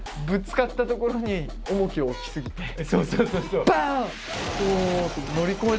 ぶつかったところに重きを置き過ぎて。